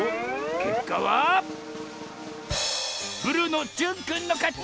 けっかはブルーのじゅんくんのかち！